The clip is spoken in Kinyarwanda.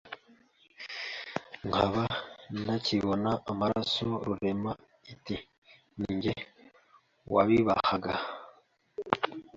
nkaba ntakibona amaraso Rurema iti Ni jye wabibahaga